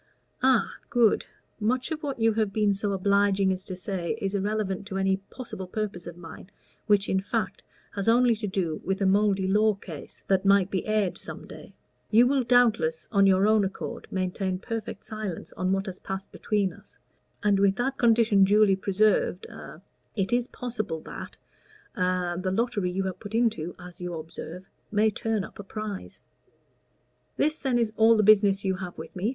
"Ah good. Much of what you have been so obliging as to say is irrelevant to any possible purpose of mine, which, in fact, has only to do with a mouldy law case that might be aired some day. You will doubtless, on your own account, maintain perfect silence on what has passed between us, and with that condition duly preserved a it is possible that a the lottery you have put into as you observe may turn up a prize." "This, then, is all the business you have with me?"